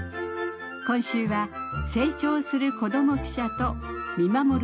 今週は「成長する子ども記者と見守る大人たち」